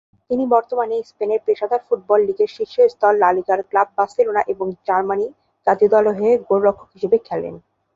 তিনি বর্তমানে স্পেনের পেশাদার ফুটবল লীগের শীর্ষ স্তর লা লিগার ক্লাব বার্সেলোনা এবং জার্মানি জাতীয় দলের হয়ে গোলরক্ষক হিসেবে খেলেন।